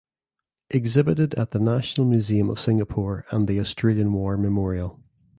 Exhibited at the National Museum of Singapore and the Australian War Memorial.